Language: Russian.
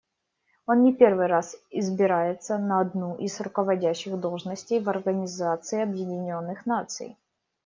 Он не первый раз избирается на одну из руководящих должностей в Организации Объединенных Наций.